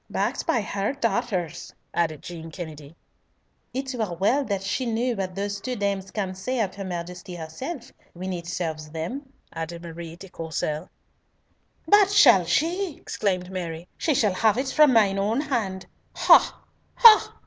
"Backed by her daughter's," added Jean Kennedy. "It were well that she knew what those two dames can say of her Majesty herself, when it serves them," added Marie de Courcelles. "That shall she!" exclaimed Mary. "She shall have it from mine own hand! Ha! ha!